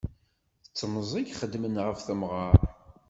D temẓi i ixeddmen ɣef temɣer.